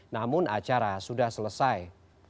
namun acara sudah selesai